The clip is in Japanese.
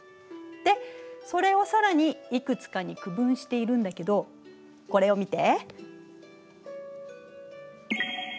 でそれを更にいくつかに区分しているんだけどこれを見て。